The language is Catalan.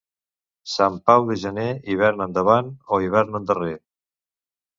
Sant Pau de gener, hivern endavant o hivern endarrer.